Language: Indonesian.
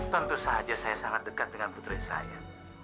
tentu saja saya sangat dekat dengan putri saya